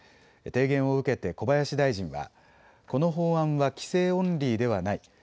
提言を受けて小林大臣はこの法案は規制オンリーではない。